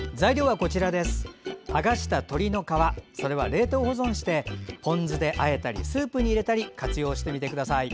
はがした鶏の皮は冷凍保存してポン酢であえたりスープに入れたり活用してみてください。